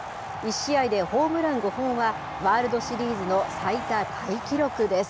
１試合でホームラン５本は、ワールドシリーズの最多タイ記録です。